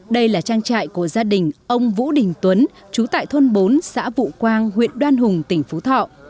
đây là trang trại của gia đình ông vũ đình tuấn chú tại thôn bốn xã vụ quang huyện đoan hùng tỉnh phú thọ